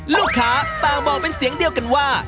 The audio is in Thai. ลูกค้าต่างบอกเป็นเสียงเดียวกันว่า